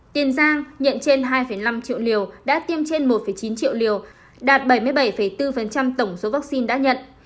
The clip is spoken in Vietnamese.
tiền giang nhận trên hai năm triệu liều đã tiêm trên một chín triệu liều đạt bảy mươi bảy bốn tổng số vaccine đã nhận